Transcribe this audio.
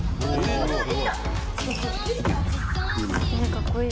かっこいい。